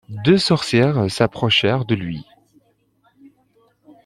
Deux sorcières s'approchèrent de lui.